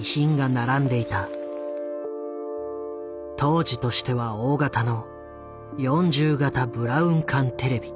当時としては大型の４０型ブラウン管テレビ。